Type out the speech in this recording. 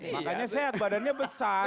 makanya sehat badannya besar